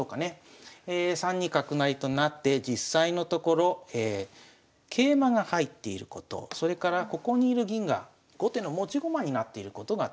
３二角成となって実際のところ桂馬が入っていることそれからここに居る銀が後手の持ち駒になっていることが大きい。